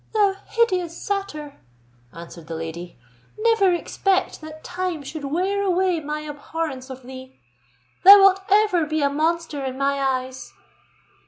"Thou hideous satyr," answered the lady, "never expect that time should wear away my abhorrence of thee. Thou wilt ever be a monster in my eyes."